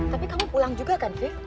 tapi kamu pulang juga kan fik